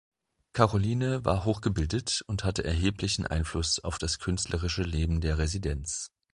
Karoline war hochgebildet und hatte erheblichen Einfluss auf das künstlerische Leben der Residenz.